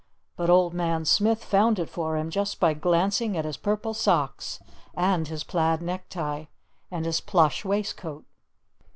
But Old Man Smith found it for him just by glancing at his purple socks! And his plaid necktie. And his plush waistcoat.